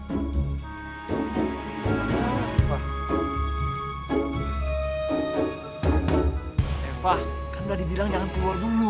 eva kan udah dibilang jangan keluar dulu